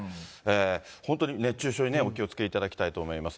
本当に熱中症にお気をつけいただきたいと思います。